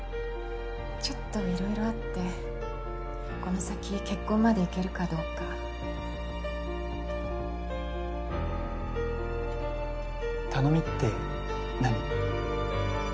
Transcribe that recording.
ちょっと色々あってこの先結婚まで行けるかどうか頼みって何？